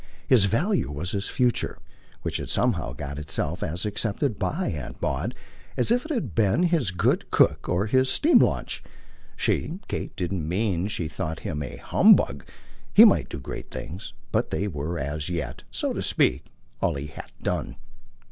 His value was his future, which had somehow got itself as accepted by Aunt Maud as if it had been his good cook or his steamlaunch. She, Kate, didn't mean she thought him a humbug; he might do great things but they were as yet, so to speak, all he had done.